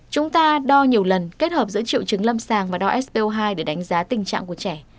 chúng ta đo nhiều lần kết hợp giữa triệu chứng lâm sàng và đo so hai để đánh giá tình trạng của trẻ